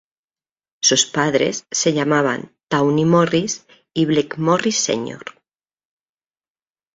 Sus padres se llaman Tawny Morris y Blake Morris Sr.